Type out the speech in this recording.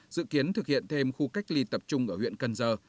dự kiến thực hiện thêm khu cách ly tập trung ở huyện cần giờ